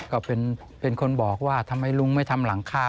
ก็เป็นคนบอกว่าทำไมลุงไม่ทำหลังคา